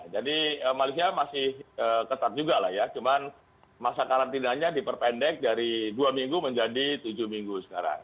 jadi malaysia masih ketat juga lah ya cuman masa karantinanya diperpendek dari dua minggu menjadi tujuh minggu sekarang